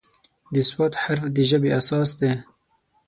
د "ص" حرف د ژبې اساس دی.